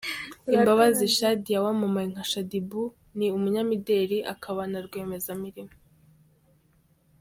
Mbabazi Shadia wamamaye nka Shaddy Boo, ni umunyamideli akaba na rwiyemezamirimo.